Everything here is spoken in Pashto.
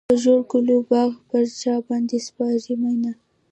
د ژړو ګلو باغ پر چا باندې سپارې مینه.